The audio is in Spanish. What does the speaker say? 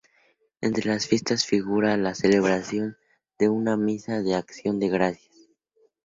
Entre las fiestas figura la celebración de una misa de acción de gracias.